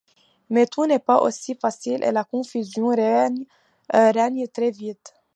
Mais tout n'est pas aussi facile et la confusion règne très vite.